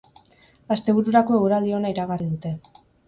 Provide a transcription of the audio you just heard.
Astebururako eguraldi ona iragarri dute.